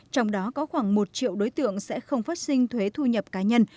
trong đó có khoảng một triệu đối tượng sẽ không phát sinh thuế thu nhập cá nhân